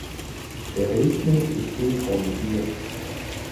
Der Rhythmus ist synchronisiert.